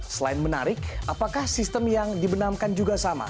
selain menarik apakah sistem yang dibenamkan juga sama